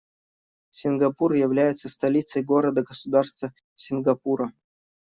Сингапур является столицей города-государства Сингапура.